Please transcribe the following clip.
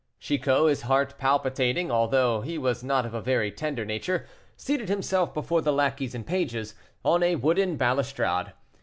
Chicot, his heart palpitating, although he was not of a very tender nature, seated himself before the lackeys and pages, on a wooden balustrade.